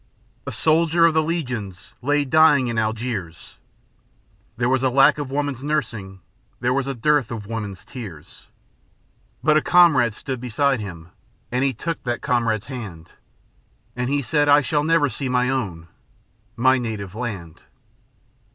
"A soldier of the Legion lay dying in Algiers, There was a lack of woman's nursing, there was dearth of woman's tears; But a comrade stood beside him, and he took that comrade's hand, And he said: 'I shall never see my own, my native land.'"